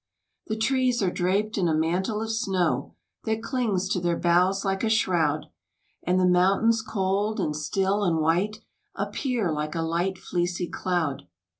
The trees are draped in a mantle of snow, That clings to their boughs like a shroud, And the mountains cold and still and white Appear like a light fleecy cloud.